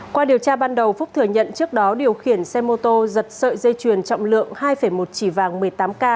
qua điều tra ban đầu phúc thừa nhận trước đó điều khiển xe mô tô giật sợi dây chuyền trọng lượng hai một chỉ vàng một mươi tám k